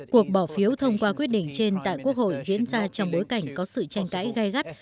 cuộc bỏ phiếu thông qua quyết định trên tại quốc hội diễn ra trong bối cảnh có sự tranh cãi gai gắt